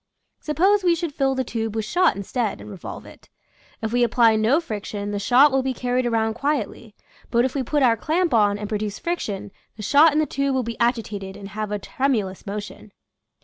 Sup pose we should fill the tube with shot instead, and revolve it. If we apply no friction the shot will be carried around quietly, but if we put our clamp on and produce friction the shot in the tube will be agitated and have a tremu lous motion.